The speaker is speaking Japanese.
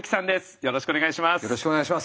よろしくお願いします。